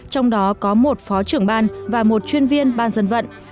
trong đó có một phó trưởng ban và một chuyên viên ban dân vận